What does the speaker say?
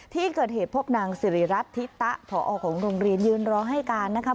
ที่เกิดเหตุพบนางสิริรัตนธิตะผอของโรงเรียนยืนรอให้การนะคะ